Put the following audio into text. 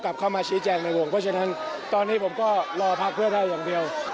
ครับก็ยังมั่นใจอยู่ครับ